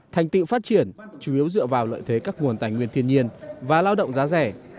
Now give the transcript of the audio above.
thành tựu phát triển chủ yếu dựa vào lợi thế các nguồn tài nguyên thiên nhiên và lao động giá rẻ